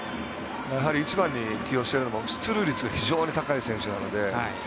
やはり１番に起用しているのも出塁率が非常に高い選手なので。